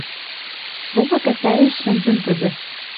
Сола кӓтӓэш шӹнзӹн тӹдӹ.